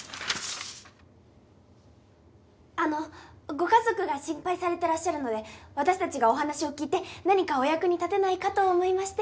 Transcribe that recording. あのご家族が心配されてらっしゃるので私たちがお話を聞いて何かお役に立てないかと思いまして。